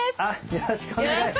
よろしくお願いします。